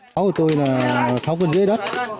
pháo của tôi là sáu phần dưới đất